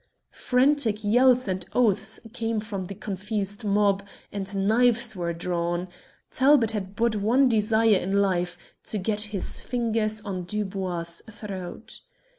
Frantic yells and oaths came from the confused mob, and knives were drawn. Talbot had but one desire in life to get his fingers on Dubois' throat.